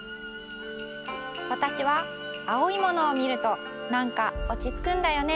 わたしは青いものをみるとなんかおちつくんだよね。